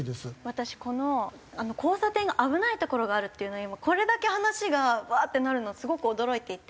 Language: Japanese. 私この交差点が危ない所があるっていうのをこれだけ話がブワーってなるのすごく驚いていて。